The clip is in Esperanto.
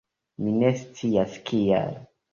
Mi ne scias kial.